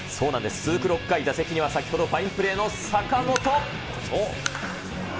続く６回、打席にはファインプレーの坂本。